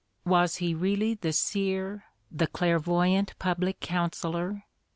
Was he really the seer, the clairvoyant public counsellor?